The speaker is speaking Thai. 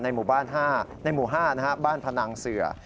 ในหมู่๕บ้านพนังเสือ